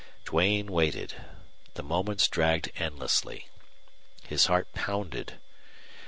Duane waited. The moments dragged endlessly. His heart pounded.